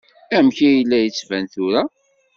Amek i la d-yettban tura?